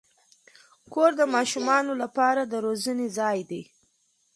کور د ماشومانو لپاره د روزنې ځای دی.